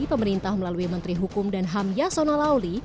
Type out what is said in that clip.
pemerintah melalui menteri hukum dan ham yasona lawli